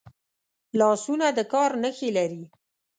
لاسونه د کار نښې لري